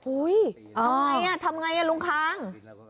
ทำไงทำไงลุงคาง